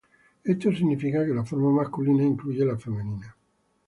Esto significa que la forma masculina incluye la femenina.